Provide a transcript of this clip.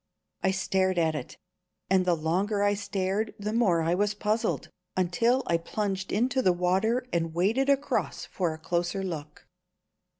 I stared at it, and the longer I stared the more I was puzzled, until I plunged into the water and waded across for a closer look.